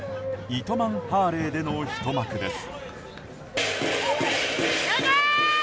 糸満ハーレーでのひと幕です。